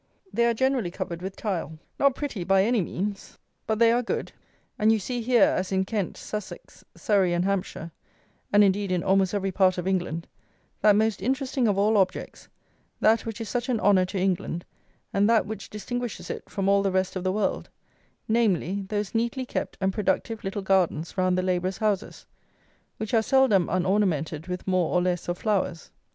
They are generally covered with tile. Not pretty by any means; but they are good; and you see here, as in Kent, Susses, Surrey, and Hampshire, and, indeed, in almost every part of England, that most interesting of all objects, that which is such an honour to England, and that which distinguishes it from all the rest of the world, namely, those neatly kept and productive little gardens round the labourers' houses, which are seldom unornamented with more or less of flowers.